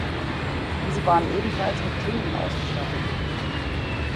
Diese waren ebenfalls mit Klingen ausgestattet.